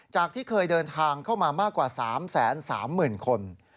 ที่เคยเดินทางเข้ามามากกว่า๓๓๐๐๐คน